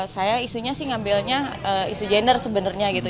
saya isunya sih ngambilnya isu gender sebenarnya gitu